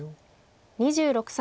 ２６歳。